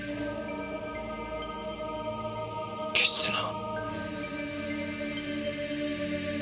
決してな。